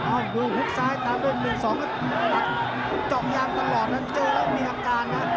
อ้าวดูหุบซ้ายตามด้วย๑๒มันเจาะยางตลอดนั้นเจอแล้วมีอาการนะ